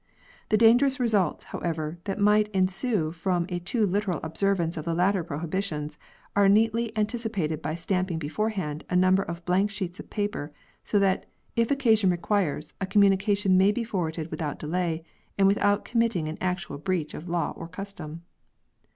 The dangerous results, however, that might ensue from a too literal observance of the latter prohibition are neatly antici pated by stamping beforehand a number of blank sheets of paper, so that, if occasion requires, a com munication may be forwarded without delay and without committing an actual breach of law or custom.